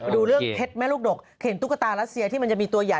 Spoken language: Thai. ดูเรื่องเพชรแม่ลูกดกเห็นตุ๊กตารัสเซียที่มันจะมีตัวใหญ่